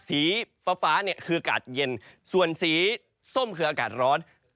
สีฟ้าเนี่ยคืออากาศเย็นส่วนสีส้มคืออากาศร้อน